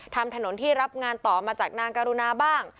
ทำถนนที่รับงานต่อมาจากนางกรุณาบ้าง